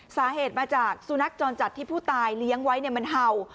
สาเหตุมาจากสูนักจรจที่ผู้ตายเลี้ยงไว้เนี่ยมันเผ่า